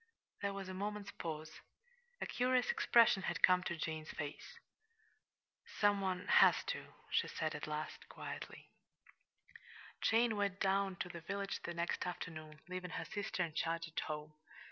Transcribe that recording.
There was a moment's pause. A curious expression had come to Jane's face. "Some one has to," she said at last, quietly. Jane went down to the village the next afternoon, leaving her sister in charge at home.